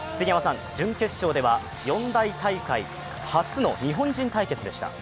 準決勝では四大大会初の日本人対決でした。